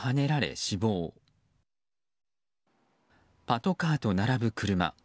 パトカーと並ぶ車。